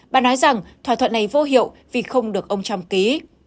bà nói rằng thỏa thuận này vô hiệu vì không được ông trump ký